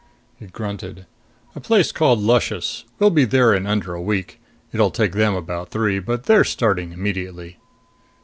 He grunted. "A place called Luscious. We'll be there in under a week. It'll take them about three. But they're starting immediately."